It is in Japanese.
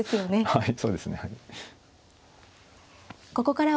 はい。